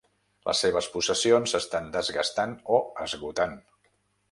Les seves possessions s'estan desgastant o esgotant.